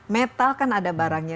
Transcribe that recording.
metal kan ada barangnya